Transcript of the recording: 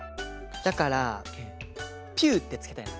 だから「ピュー」ってつけたいの。